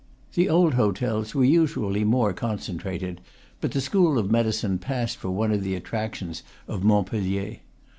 The old hotels were usually more concentrated; but the school of medicine passed for one of the attrac tions of Montpellier.